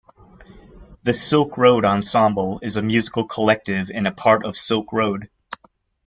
The Silk Road Ensemble is a musical collective and a part of Silkroad.